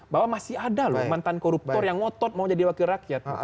bahwa masih ada loh mantan koruptor yang ngotot mau jadi wakil rakyat